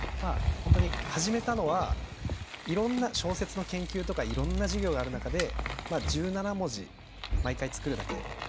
本当に始めたのはいろんな小説の研究とかいろんな授業がある中で１７文字毎回作るだけ。